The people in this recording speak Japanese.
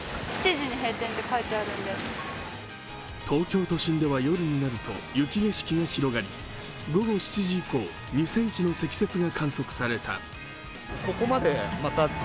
東京都心では夜になると雪景色が広がり午後７時以降２ｃｍの積雪が観測された。